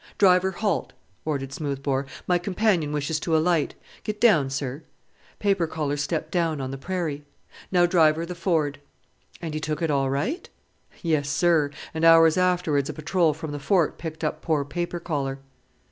'Driver, halt,' ordered Smoothbore, 'my companion wishes to alight; get down, sir.' Paper collar stepped down on the prairie. 'Now, driver, the ford.'" "And he took it all right?" "Yes, sir; and hours afterwards a patrol from the fort picked up poor Paper collar."